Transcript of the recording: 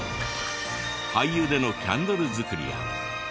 廃油でのキャンドル作りや。